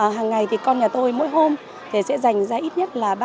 hằng ngày thì con nhà tôi mỗi hôm sẽ dành ra ít nhất là